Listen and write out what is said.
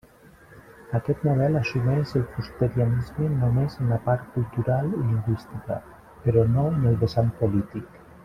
Aquest model assumeix el fusterianisme només en la part cultural i lingüística, però no en el vessant polític.